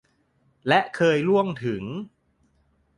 และเคยร่วงถึง